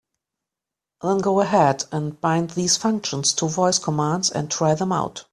Then go ahead and bind these functions to voice commands and try them out.